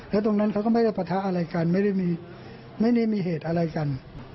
แล้วตรงนั้นเขาก็ไม่ได้ปะทะอะไรกันไม่ได้มีเหตุอะไรกัน